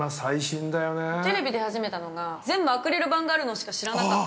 テレビ出始めたのが、全部アクリル板があるのしか、◆あーー。